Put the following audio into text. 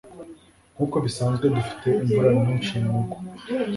Nkuko bisanzwe, dufite imvura nyinshi mugwa.